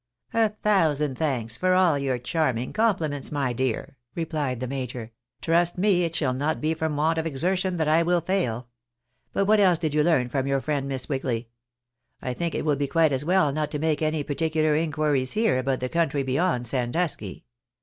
" A thousand thanks for all your charming compliments, my dear," rephed the major. " Trust me, it shall not be from want of exertion that I will fail. But what else did you learn from your friend Miss Wigly ? I think it will be quite as well not to make any particular inquiries here about the country beyond Sandusky.